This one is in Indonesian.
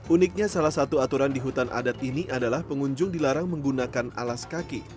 uniknya salah satu aturan di hutan adat ini adalah pengunjung dilarang menggunakan alas kaki